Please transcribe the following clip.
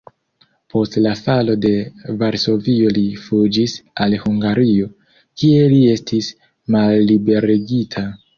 Post la falo de Varsovio li fuĝis al Hungario, kie li estis malliberigita.